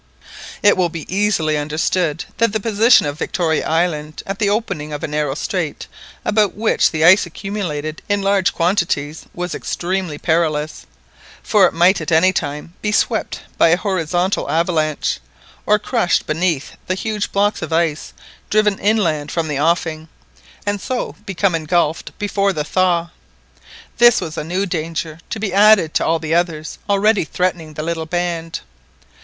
It will be easily understood that the position of Victoria Island, at the opening of a narrow strait about which the ice accumulated in large quantities, was extremely perilous, for it might at any time be swept by a horizontal avalanche, or crushed beneath the huge blocks of ice driven inland from the offing, and so become engulfed before the thaw. This was a new danger to be added to all the others already threatening the little band.